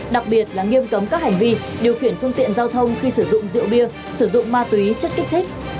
đặc biệt là nghiêm cấm các hành vi điều khiển phương tiện giao thông khi sử dụng rượu bia sử dụng ma túy chất kích thích